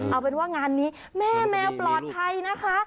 เอาเป็นว่างานนี้แม่แมวปลอดภัยนะคะ